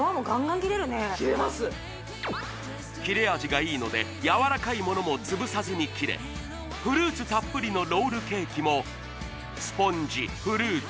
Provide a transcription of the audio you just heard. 切れます切れ味がいいのでやわらかいものも潰さずに切れフルーツたっぷりのロールケーキもスポンジフルーツ